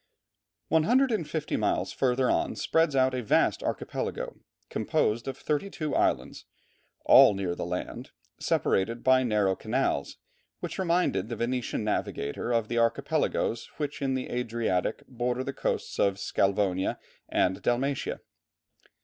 One hundred and fifty miles further on spreads out a vast archipelago composed of thirty two islands, all near the land, separated by narrow canals, which reminded the Venetian navigator of the archipelagos which in the Adriatic border the coasts of Sclavonia and Dalmatia.